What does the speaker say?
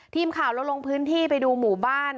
ทีมข่าวเราลงพื้นที่ไปดูหมู่บ้าน